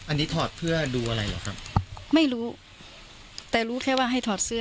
อันนี้ถอดเพื่อดูอะไรเหรอครับไม่รู้แต่รู้แค่ว่าให้ถอดเสื้อ